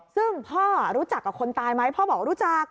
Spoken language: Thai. ซึ่งพ่อรู้จักกับคนตายไหมพ่อบอกรู้จัก